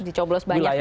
dicoblos banyak gitu ya